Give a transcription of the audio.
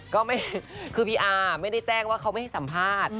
ก็คือพี่อาไม่ได้แจ้งว่าเขาไม่ให้สัมภาษณ์